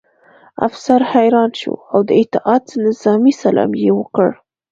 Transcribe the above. افسر حیران شو او د اطاعت نظامي سلام یې وکړ